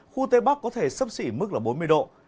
khu tây bắc có thể sấp xỉ mức bốn mươi độ